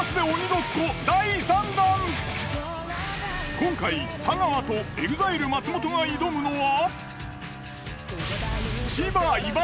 今回太川とＥＸＩＬＥ松本が挑むのは。